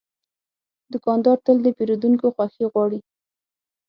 دوکاندار تل د پیرودونکو خوښي غواړي.